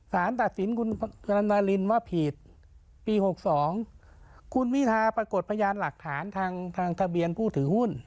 สารตัดสินคุณว่าผิดปีหกสองคุณวิทาปรากฏพยานหลักฐานทางทางทะเบียนผู้ถือหุ้น